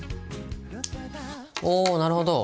おおなるほど。